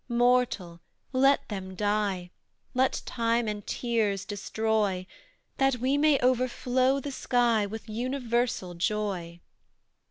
mortal! let them die; Let time and tears destroy, That we may overflow the sky With universal joy!